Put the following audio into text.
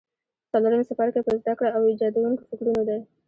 څلورم څپرکی په زده کړه او ایجادوونکو فکرونو دی.